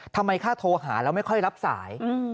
ทำไมแค่โทรหาแล้วไม่ค่อยรับสาย